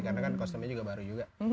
karena kan kostumnya juga baru juga